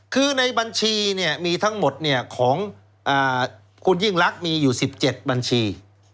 คือในบัญชีเนี่ยมีทั้งหมดเนี่ยของอ่าคุณยิ่งรักมีอยู่สิบเจ็ดบัญชี